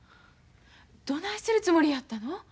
どないするつもりやったの？